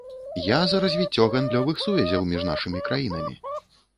Я за развіццё гандлёвых сувязяў між нашымі краінамі.